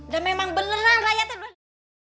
dah memang beneran rakyat terbener